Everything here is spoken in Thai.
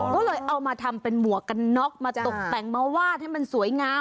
ก็เลยเอามาทำเป็นหมวกกันน็อกมาตกแต่งมาวาดให้มันสวยงาม